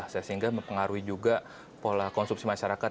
sehingga mempengaruhi juga pola konsumsi masyarakat